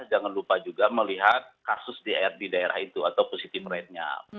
jangan lupa juga melihat kasus di daerah itu atau positive ratenya